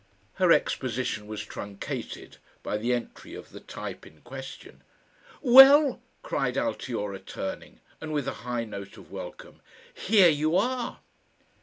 Her exposition was truncated by the entry of the type in question. "Well!" cried Altiora turning, and with a high note of welcome, "HERE you are!"